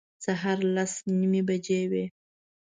سهار لس نیمې بجې وې.